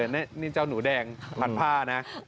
นี่เจ้าหนูแดงผัดผ้านะ